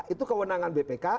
itu kewenangan bpk